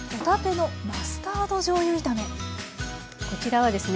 こちらはですね